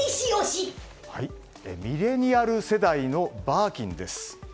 ミレニアル世代のバーキンです。